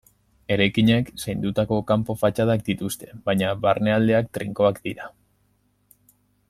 Eraikinek, zaindutako kanpo fatxadak dituzte, baina barnealdeak trinkoak dira.